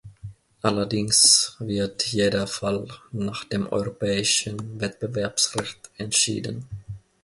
Allerdings wird jeder Fall nach dem europäischen Wettbewerbsrecht entschieden.